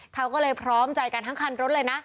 เขาก็เลยพร้อมใจกันทั้งคันรถเลยนะ